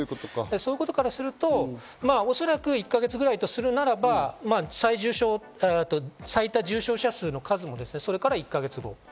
そういうことからすると、おそらく１か月ぐらいとするならば最多重症者数の数もそれから１か月後。